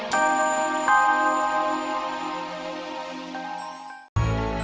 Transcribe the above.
siapa tau masih bisa